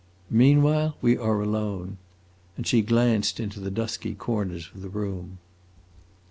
"Meanwhile we are alone?" And she glanced into the dusky corners of the room.